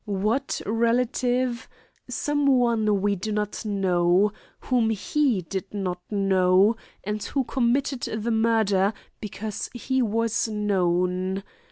What relative? Someone we do not know, whom he did not know, or who committed murder because he was known.